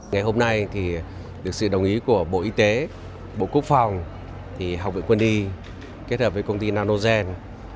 ngày hôm nay thì được sự đồng ý của bộ y tế bộ quốc phòng học viện quân y kết hợp với công ty nanogen